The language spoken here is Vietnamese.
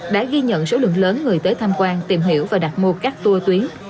đã ghi nhận số lượng lớn người tới tham quan tìm hiểu và đặt mua các tour tuyến